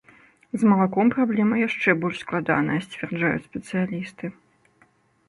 З малаком праблема яшчэ больш складаная, сцвярджаюць спецыялісты.